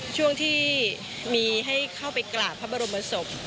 ช่วงที่มีให้เข้าไปกราบพระบรมศพ